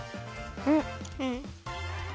うん。